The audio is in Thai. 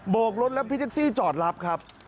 กรถแล้วพี่แท็กซี่จอดรับครับ